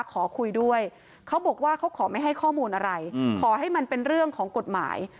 ขอคุยด้วยเขาบอกว่าเขาขอไม่ให้ข้อมูลอะไรขอให้มันเป็นเรื่องของกฎหมาย